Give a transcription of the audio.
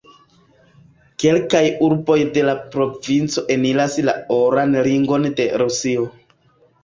Kelkaj urboj de la provinco eniras la Oran Ringon de Rusio.